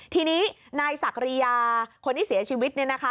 ทีนี้นายศักดิ์ริยาคนที่เสียชีวิตนี่นะคะ